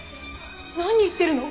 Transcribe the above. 何言ってるの！？